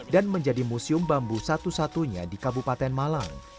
dan menjadi museum bambu satu satunya di kabupaten malang